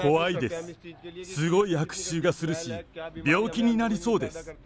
すごい悪臭がするし、病気になりそうです。